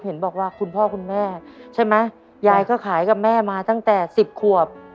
เห็นบอกว่าคุณพ่อคุณแม่ใช่ไหมยายก็ขายกับแม่มาตั้งแต่๑๐ขวบ